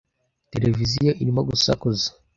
Televiziyo irimo gusakuza.